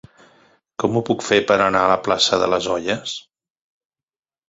Com ho puc fer per anar a la plaça de les Olles?